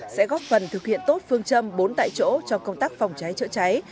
sẽ góp phần thực hiện tốt phương châm bốn tại chỗ trong công tác phòng cháy chữa cháy